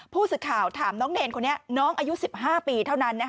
ผู้สื่อข่าวถามน้องเนรคนนี้น้องอายุ๑๕ปีเท่านั้น